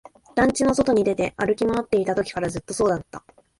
団地の外に出て、歩き回っていたときからずっとそうだった